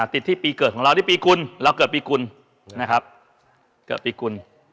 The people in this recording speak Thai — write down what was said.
ติดที่ปีเกิดของเรานี่ปีกุลเราเกิดปีกุลนะครับเกิดปีกุล